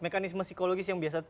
mekanisme psikologis yang biasa